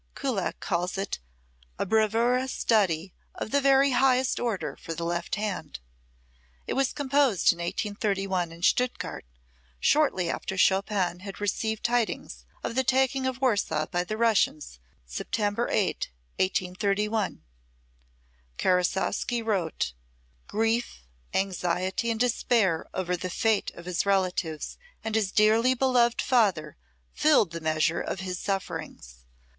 Kullak calls it a "bravura study of the very highest order for the left hand. It was composed in 1831 in Stuttgart, shortly after Chopin had received tidings of the taking of Warsaw by the Russians, September 8, 1831." Karasowski wrote: "Grief, anxiety and despair over the fate of his relatives and his dearly beloved father filled the measure of his sufferings.